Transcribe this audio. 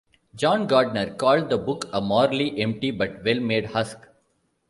John Gardner called the book a morally "empty but well-made husk".